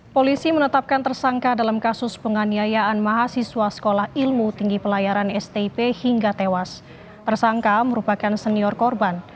polisi menetapkan tersangka dalam kasus penganiayaan mahasiswa sekolah ilmu tinggi pelayaran